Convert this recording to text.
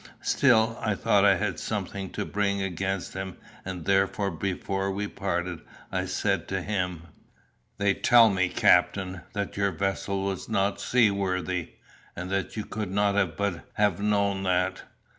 Still, I thought I had something to bring against him, and therefore before we parted I said to him "They tell me, captain, that your vessel was not seaworthy, and that you could not but have known that."